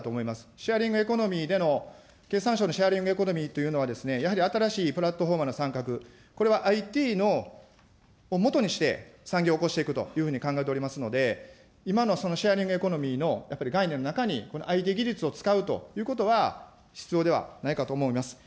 シェアリングエコノミーでの、経産省でのシェアリングエコノミーというのは、やはり新しいプラットフォーマーの参画、これはＩＴのもとにして、産業をおこしていくというふうに考えておりますので、今のシェアリングエコノミーの概念の中に、このＩＴ技術を使うということは、必要ではないかと思います。